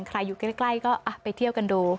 อยู่ใกล้ก็ไปเที่ยวกันดู